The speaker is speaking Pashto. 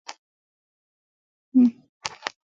ځینې جوګیان قدرت لري چې چاته وګوري هغه مړ شي.